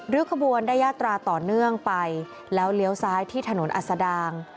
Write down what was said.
ขบวนได้ยาตราต่อเนื่องไปแล้วเลี้ยวซ้ายที่ถนนอัศดาง